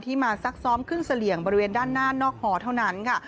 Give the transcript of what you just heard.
มาซักซ้อมขึ้นเสลี่ยงบริเวณด้านหน้านอกหอเท่านั้นค่ะ